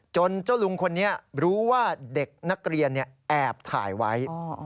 เจ้าลุงคนนี้รู้ว่าเด็กนักเรียนแอบถ่ายไว้